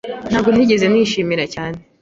Ntabwo nigeze nishimira cyane.